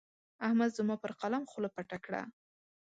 احمد زما پر قلم خوله پټه کړه.